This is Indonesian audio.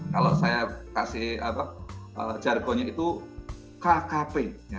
kalau saya kasih jargonnya itu kkp